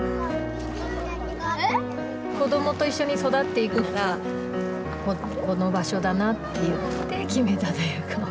子どもと一緒に育っていくならこの場所だなっていって決めたというか。